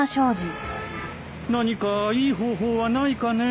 何かいい方法はないかねえ。